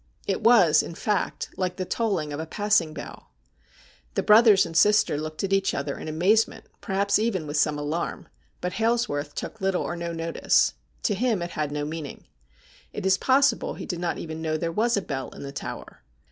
It was, in fact, like the tolling of a passing bell. The brothers and sister looked at each other in amazement, perhaps even with some alarm, but Hailsworth took little or no notice. To him it had no meaning. It is possible he did not even know there was a bell in the tower.